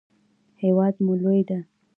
هیواد مو لوی ده.